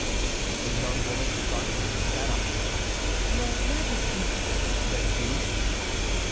The young woman started and sat up. "Your Majesty!" said she.